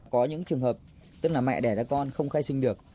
có những trường hợp tức là mẹ đẻ ra con không khai sinh được